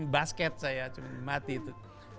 basket saya mati itu